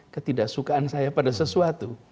ketidaksukaan saya pada sesuatu